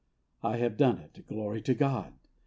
I have done it ; glory to God